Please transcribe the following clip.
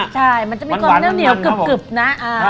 ใช่มันจะมีความเหนียวกึบนะ